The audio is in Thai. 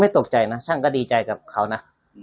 ตกใจนะช่างก็ดีใจกับเขานะ